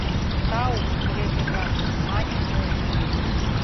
— Тау, рвезе-влак, — мане Зорин.